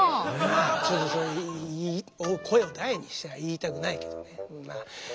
ちょっとそう声を大にしては言いたくないけどね。